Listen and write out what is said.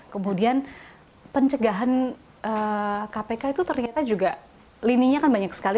kemudian pencegahan kpk itu ternyata juga lininya kan banyak sekali